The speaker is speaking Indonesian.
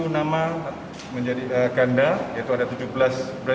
tujuh nama ganda yaitu ada empat belas nama